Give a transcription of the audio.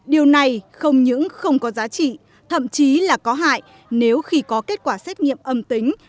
điều này không những không có giá trị thậm chí là có hại nếu khi có kết quả xét nghiệm âm tính